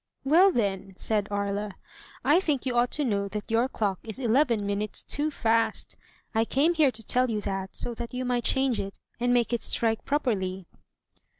"Well, then," said Aria, " I think you ought to know that your clock is eleven minutes too fast. I came here to tell you that, so that you might change it, and make it strike properly."